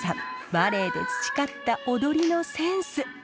バレエで培った踊りのセンス。